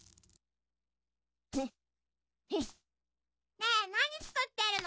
ねえなにつくってるの？